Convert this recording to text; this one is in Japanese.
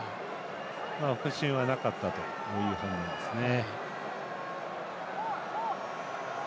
副審はなかったという判断ですね。